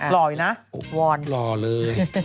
หล่ออยู่นะว่อนหล่อเลย